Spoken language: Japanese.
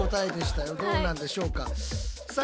どうなんでしょうか。